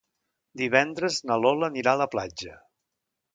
Divendres na Lola anirà a la platja.